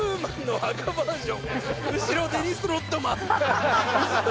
後ろデニス・ロッドマンだ。